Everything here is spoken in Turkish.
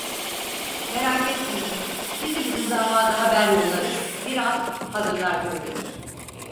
Merak etmeyin, şimdi bizim damada haber yollarız, bir at hazırlar gönderir.